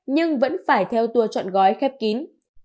nhưng vẫn phải theo tour chọn gói khép kín